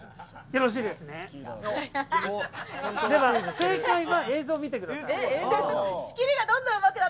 正解は映像を見てください。